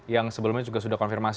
yang sebelumnya sudah konfirmasi